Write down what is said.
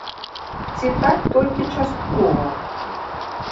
Ці так толькі часткова!